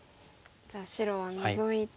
じゃあ白はノゾいて。